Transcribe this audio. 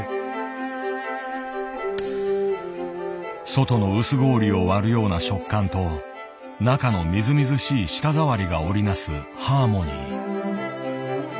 外の薄氷を割るような食感と中のみずみずしい舌触りが織りなすハーモニー。